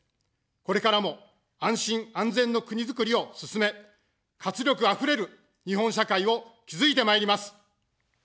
これからも、安心・安全の国づくりを進め、活力あふれる日本社会を築いてまいります。